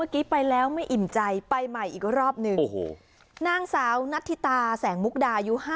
ค่ะไปอีกหนึ่งที่นะคะ